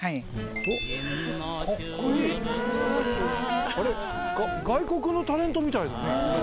あっかっこいいあぁあれ外国のタレントみたいだね